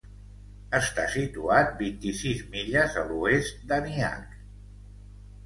Està situat vint-i-sis milles a l'oest d'Aniak.